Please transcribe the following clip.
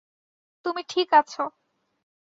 তুমি ঠিক আছো।